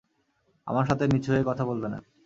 আমার সাথে নিচু হয়ে কথা বলবে না।